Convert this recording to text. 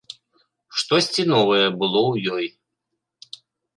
Штосьці новае было ў ёй.